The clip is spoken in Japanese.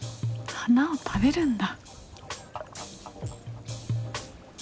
花を食べるんだ。